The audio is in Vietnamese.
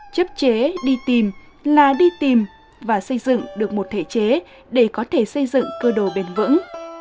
chấp chế đi tìm là đi tìm và xây dựng được một thể chế để có thể xây dựng cơ đồ bền vững